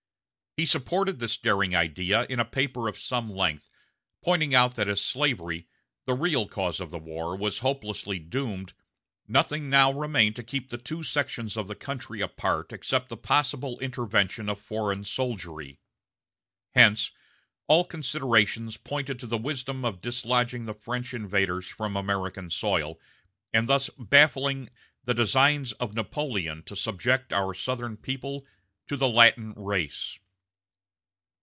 He supported this daring idea in a paper of some length, pointing out that as slavery, the real cause of the war, was hopelessly doomed, nothing now remained to keep the two sections of the country apart except the possible intervention of foreign soldiery. Hence, all considerations pointed to the wisdom of dislodging the French invaders from American soil, and thus baffling "the designs of Napoleon to subject our Southern people to the 'Latin race.'"